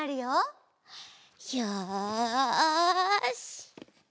よし！